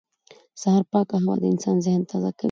سهار پاکه هوا د انسان ذهن تازه کوي